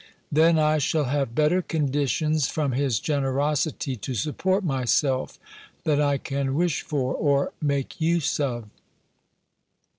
Then I shall have better conditions from his generosity to support myself, than I can wish for, or make use of.